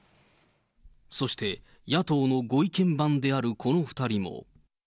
そして、野党のご意見番であるこの２人も。